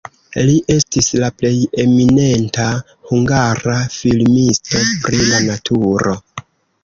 Li estis la plej eminenta hungara filmisto pri la naturo.